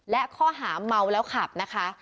และข้อหาเมาแล้วขับนะคะ